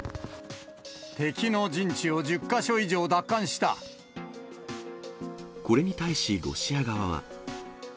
敵の陣地を１０か所以上奪還これに対し、ロシア側は。